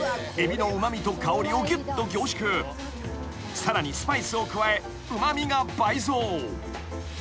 ［さらにスパイスを加えうま味が倍増］